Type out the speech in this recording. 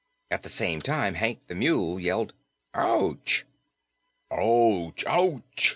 At the same time Hank the Mule yelled "Ouch!" "Ouch! Ouch!"